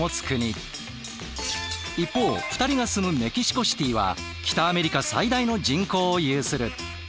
一方２人が住むメキシコシティーは北アメリカ最大の人口を有する。